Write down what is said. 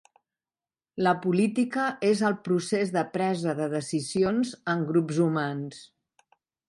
La política és el procés de presa de decisions en grups humans.